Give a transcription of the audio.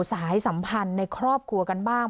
สายสัมพันธ์ในครอบครัวกันบ้าง